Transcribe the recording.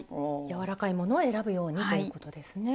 柔らかいものを選ぶようにということですね。